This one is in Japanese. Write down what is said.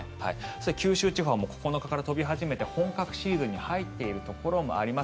九州地方は９日から飛び始めて本格シーズンに入っているところもあります。